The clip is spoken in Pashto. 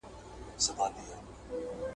دا عادت د روغتیا لپاره مهم دی.